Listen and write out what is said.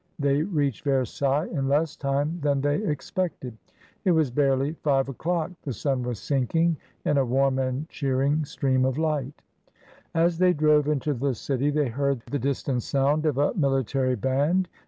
They reached Versailles in less time than they expected. Ft was barely five o'clock, the sun was sinking in a warm and cheering stream of light As they drove into the city, they heard the distant sound of a military band.